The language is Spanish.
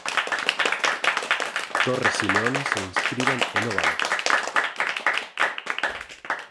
Torres y leones se inscriben en óvalos.